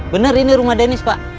benar ini rumah denis pak